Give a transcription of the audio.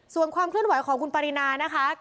ส่วนความเคลื่อนไหวของคุณปรินานะคะ